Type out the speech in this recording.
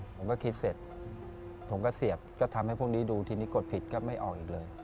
ผมก็คิดเสร็จผมก็เสียบก็ทำให้พวกนี้ดูทีนี้กดผิดก็ไม่ออกอีกเลย